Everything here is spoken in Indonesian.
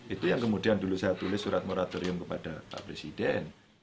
itu yang kemudian dulu saya tulis surat moratorium kepada pak presiden